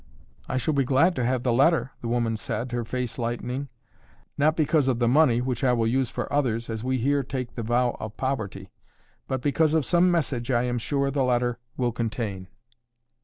"I shall be glad to have the letter," the woman said, her face lightening, "not because of the money which I will use for others, as we here take the vow of poverty, but because of some message I am sure the letter will contain."